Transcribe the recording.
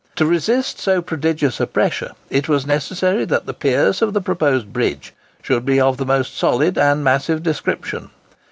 To resist so prodigious a pressure, it was necessary that the piers of the proposed bridge should be of the most solid and massive description.